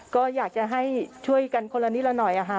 ก็อยากจะให้ช่วยกันคนละนิดละหน่อยค่ะ